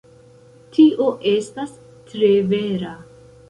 Tio estas tre vera.